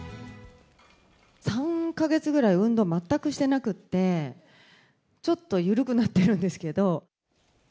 ３か月ぐらい運動、全くしてなくって、ちょっと緩くなってるんですけど。